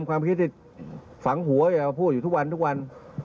ความคิดถึงฝังหัวอยู่เอาพูดอยู่ทุกวัน